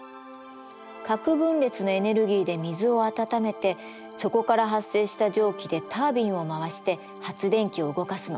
核分裂のエネルギーで水を温めてそこから発生した蒸気でタービンを回して発電機を動かすの。